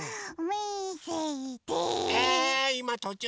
みせて。